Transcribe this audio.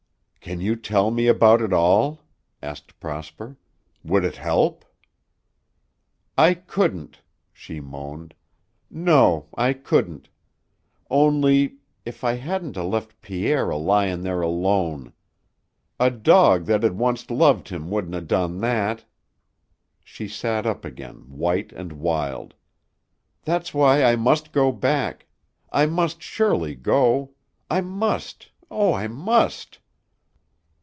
"Can you tell me about it all?" asked Prosper. "Would it help?" "I couldn't," she moaned; "no, I couldn't. Only if I hadn't 'a' left Pierre a lyin' there alone. A dog that had onct loved him wouldn't 'a' done that." She sat up again, white and wild. "That's why I must go back. I must surely go. I must! Oh, I must!"